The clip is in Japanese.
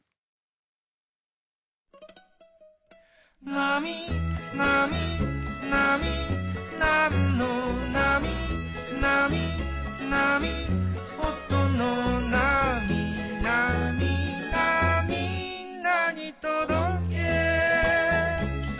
「なみなみなみなんのなみ」「なみなみおとのなみ」「なみなみんなにとどけ！」